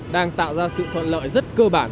đang tạo ra sự thuận lợi rất cơ bản